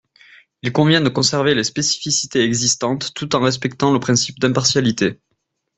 Il convient de conserver les spécificités existantes tout en respectant le principe d’impartialité.